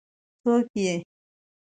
څوک يې ؟